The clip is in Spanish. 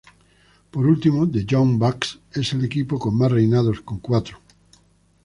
Por último, The Young Bucks es el equipo con más reinados con cuatro.